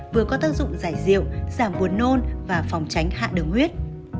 vừa có tác dụng giải rượu giảm buồn nôn và phòng tránh hạ đường huyết